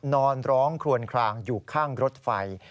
นอนร้องคลวนคลางอยู่ข้างรถไฟ